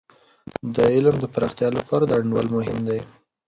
د علم د پراختیا لپاره د انډول مهم دی.